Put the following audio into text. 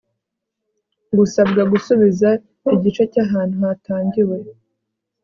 gusabwa gusubiza igice cy ahantu hatangiwe